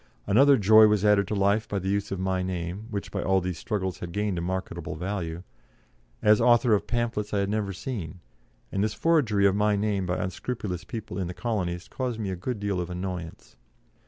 Another joy was added to life by the use of my name which by all these struggles had gained a marketable value as author of pamphlets I had never seen, and this forgery of my name by unscrupulous people in the colonies caused me a good deal of annoyance.